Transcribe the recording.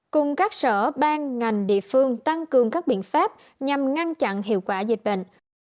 cùng các sở ban ngành địa phương tăng cường các biện pháp nhằm ngăn chặn hiệu quả dịch bệnh